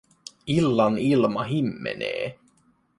Illan ilma himmenee.